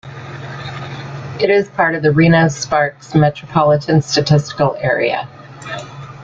It is part of the Reno-Sparks Metropolitan Statistical Area.